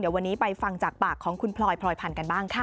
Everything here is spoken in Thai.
วันนี้ไปฟังจากปากของคุณพลอยพลอยพันธ์กันบ้างค่ะ